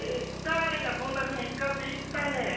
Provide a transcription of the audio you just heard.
誰がそんなふうに使うって言ったね！